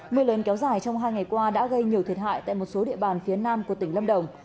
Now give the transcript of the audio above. mưa lớn kéo dài trong hai ngày qua đã gây nhiều thiệt hại tại một số địa bàn phía nam của tỉnh lâm đồng